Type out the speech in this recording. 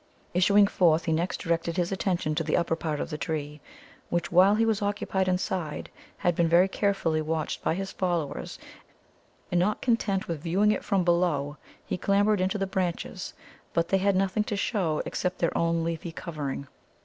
Issuing forth he next directed his attention to the upper part of the tree, which, while he was occupied inside, had been very carefully watched by his followers, and not content with viewing it from below, he clambered into the branches. But they had nothing to show except their own leafy covering.